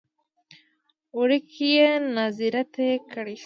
وړکیه ناظره ته یې کړی شې.